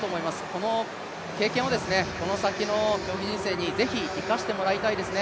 この経験を、この先の競技人生にぜひ生かしてほしいですね。